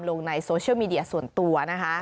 ลงในโซเชียลมีเดียส่วนตัวนะคะ